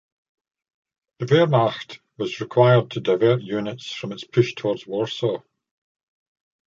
The Wehrmacht was required to divert units from its push towards Warsaw.